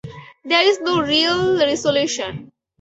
There is no real resolution.